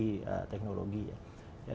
keterkinian mengadopsi teknologi ya